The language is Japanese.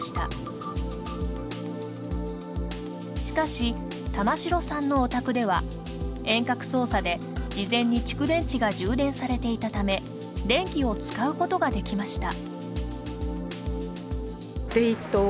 しかし玉城さんのお宅では遠隔操作で事前に蓄電池が充電されていたため電気を使うことができました。